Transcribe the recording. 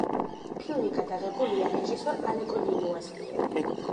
ფილმი გადაღებულია რეჟისორ ალეკო ნინუას მიერ.